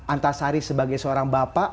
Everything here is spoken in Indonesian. antasari sebagai seorang bapak